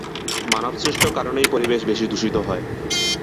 মানব সৃষ্ট কারণেই পরিবেশ বেশি দূষিত হয়।